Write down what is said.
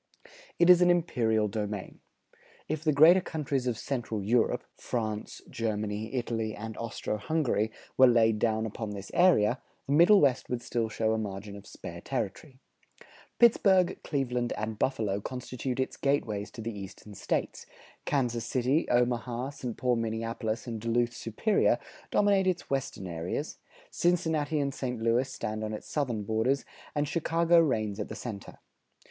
It is an imperial domain. If the greater countries of Central Europe, France, Germany, Italy, and Austro Hungary, were laid down upon this area, the Middle West would still show a margin of spare territory. Pittsburgh, Cleveland, and Buffalo constitute its gateways to the Eastern States; Kansas City, Omaha, St. Paul Minneapolis, and Duluth Superior dominate its western areas; Cincinnati and St. Louis stand on its southern borders; and Chicago reigns at the center.